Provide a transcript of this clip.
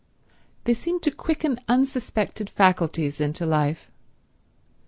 They seemed to quicken unsuspected faculties into life.